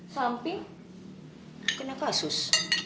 samping kena kasus